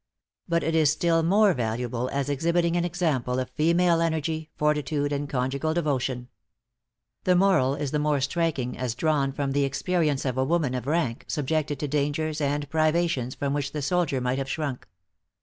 But it is still more valuable as exhibiting an example of female energy, fortitude, and conjugal devotion. The moral is the more striking as drawn from the experience of a woman of rank, subjected to dangers and privations from which the soldier might have shrunk.